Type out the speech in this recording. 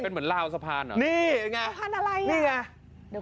เป็นเหมือนลาวสะพานเหรอนี่ไงสะพานอะไรนี่ไง